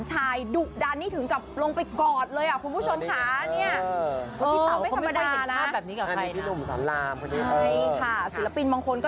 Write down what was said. เหมือนยักษ์ใหญ่เงื้อ